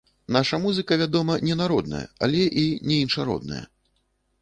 Наша музыка, вядома, не народная, але і не іншародная.